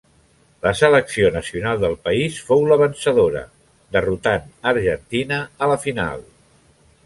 La selecció nacional del país fou la vencedora, derrotant Argentina a la final.